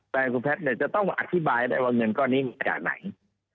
แฟนคุณแพทย์เนี่ยจะต้องมาอธิบายได้ว่าเงินก้อนนี้มาจากไหน